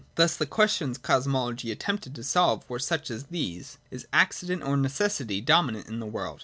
Thus the questions Cosmology attempted to solve were such as these : Is accident or necessity dominant in the world